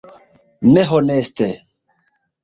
Ne honeste!